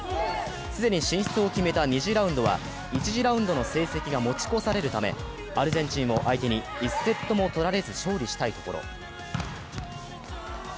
既に進出を決めた２次ラウンドは１次ラウンドの成績が持ち越されるため、アルゼンチンを相手に１セットも取られず勝利したいところ。